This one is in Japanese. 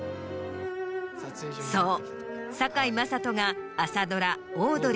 そう。